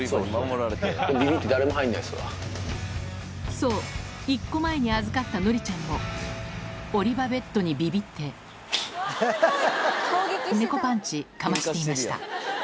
そう１個前に預かったのりちゃんもオリバベッドにビビって猫パンチかましていました